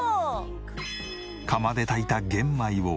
釜で炊いた玄米を。